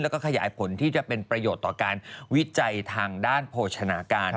แล้วก็ขยายผลที่จะเป็นประโยชน์ต่อการวิจัยทางด้านโภชนาการ